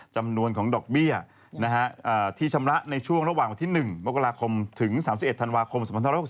จำนวนของดอกเบี้ยที่ชำระในช่วงระหว่างวันที่๑๓๑ธนวาคม๒๐๖๑